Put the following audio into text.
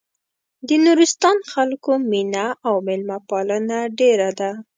د نورستان خلکو مينه او مېلمه پالنه ډېره ده.